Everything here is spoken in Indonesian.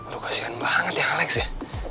lu kasihan banget ya alex ya